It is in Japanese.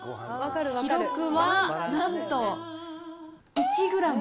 記録はなんと、１グラム。